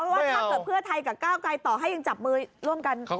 ว่าถ้าเกิดเพื่อไทยกับก้าวไกลต่อให้ยังจับมือร่วมกัน